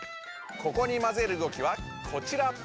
ここにまぜる動きはこちら。